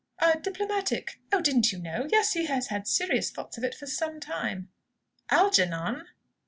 "A diplomatic Oh, didn't you know? Yes; he has had serious thoughts of it for some time." "Algernon?"